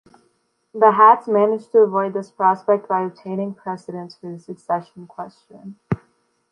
The Hats managed to avoid this prospect by obtaining precedence for the succession question.